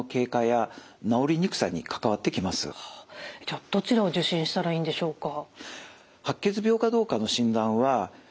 じゃあどちらを受診したらいいんでしょうか？